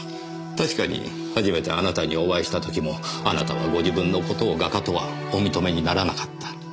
確かに初めてあなたにお会いしたときもあなたはご自分のことを画家とはお認めにならなかった。